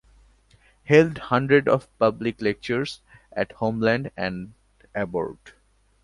Held hundreds of public lectures at homeland and abroad.